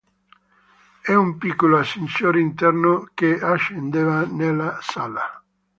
E un piccolo ascensore interno che scendeva nella sala".